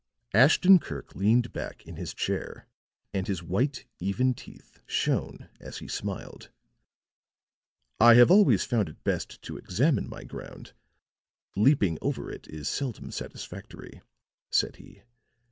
Ashton Kirk leaned back in his chair, and his white, even teeth shone as he smiled. "I have always found it best to examine my ground; leaping over it is seldom satisfactory," said he.